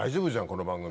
この番組。